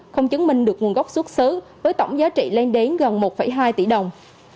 không chứng minh được nguồn gốc xuất xứ với tổng giá trị lên đến gần một hai tỷ đồng